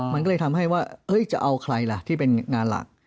มันก็เลยทำให้ว่าจะเอาใครล่ะที่เป็นงานหลัก